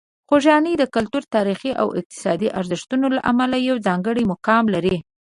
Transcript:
خوږیاڼي د کلتوري، تاریخي او اقتصادي ارزښتونو له امله یو ځانګړی مقام لري.